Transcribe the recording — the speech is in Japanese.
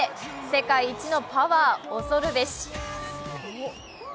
世界一のパワー、恐るべし。